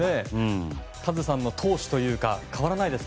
カズさんの闘志というか変わらないですか。